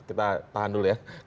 kita tahan dulu ya